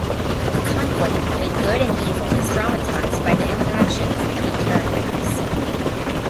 The conflict between good and evil is dramatised by the interactions between characters.